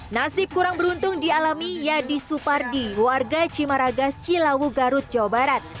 nasib kurang beruntung dialami yadi supardi warga cimaraga cilawu garut jawa barat